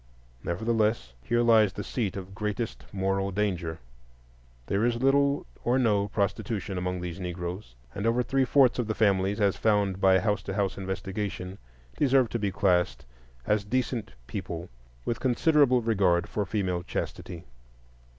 Nevertheless, here lies the seat of greatest moral danger. There is little or no prostitution among these Negroes, and over three fourths of the families, as found by house to house investigation, deserve to be classed as decent people with considerable regard for female chastity.